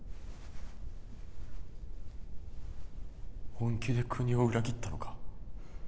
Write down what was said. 本気で国を裏切ったのか？